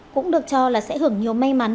cũng được cho là sẽ hưởng nhiều may mắn